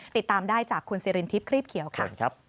ติดตามได้จากคุณสิรินทิพย์ครีบเขียวค่ะ